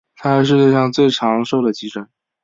它是世界上最长寿的急诊。